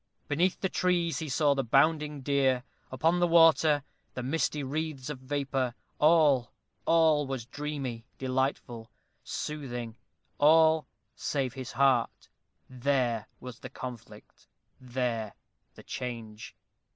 Beneath the trees, he saw the bounding deer upon the water, the misty wreaths of vapor all, all was dreamy, delightful, soothing, all save his heart there was the conflict there the change.